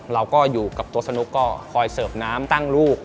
เราก็อยู่กับโต๊ะสนุกก็คอยเสิร์ฟน้ำตั้งลูก